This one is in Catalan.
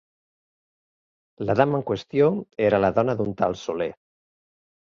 La dama en qüestió era la dona d'un tal Soler.